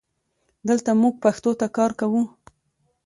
دلته مونږ پښتو ته کار کوو